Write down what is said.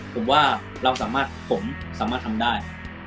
ผมว่าผมสามารถทำได้